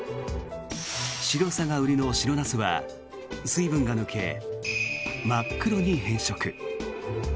白さが売りの白ナスは水分が抜け真っ黒に変色。